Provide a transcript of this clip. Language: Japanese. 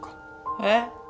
えっ？